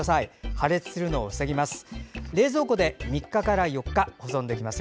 破裂するのを防ぎます。